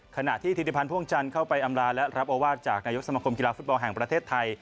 ขณะที่ธิติพันธ์พ่วงจันทร์เข้าไปอำลาและรับโอวาสจากนายกสมคมกีฬาฟุตบอลแห่งประเทศไทย